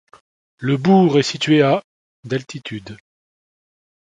Le bourg est situé à d'altitude.